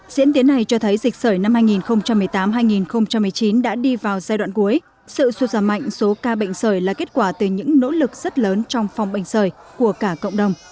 diễn tiến này cho thấy dịch sởi năm hai nghìn một mươi tám hai nghìn một mươi chín đã đi vào giai đoạn cuối sự xuất giảm mạnh số ca bệnh sởi là kết quả từ những nỗ lực rất lớn trong phòng bệnh sởi của cả cộng đồng